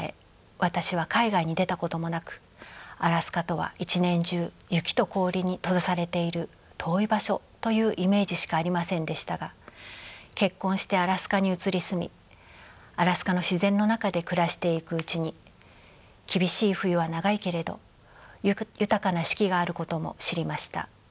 私は海外に出たこともなくアラスカとは一年中雪と氷に閉ざされている遠い場所というイメージしかありませんでしたが結婚してアラスカに移り住みアラスカの自然の中で暮らしていくうちに厳しい冬は長いけれど豊かな四季があることも知りました。